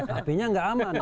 hapenya enggak aman